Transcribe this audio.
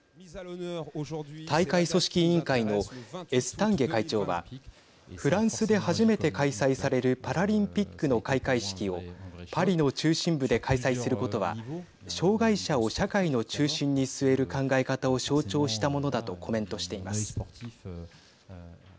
大会組織委員会のエスタンゲ会長はフランスで初めて開催されるパラリンピックの開会式をパリの中心部で開催することは障害者を社会の中心に据える考え方を象徴したものだとコメントしています。